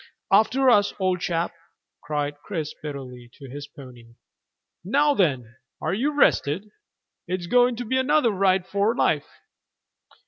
"After us, old chap," cried Chris bitterly, to his pony. "Now then, are you rested? It's going to be another ride for life.